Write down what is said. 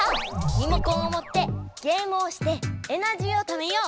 リモコンをもってゲームをしてエナジーをためよう！